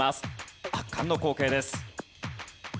圧巻の光景です。